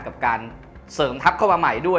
กับการเสริมทัพเข้ามาใหม่ด้วย